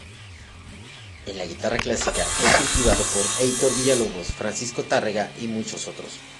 En la guitarra clásica fue cultivado por Heitor Villa-Lobos, Francisco Tárrega y otros muchos.